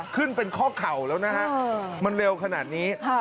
ขึ้นเป็นข้อเข่าแล้วนะฮะมันเร็วขนาดนี้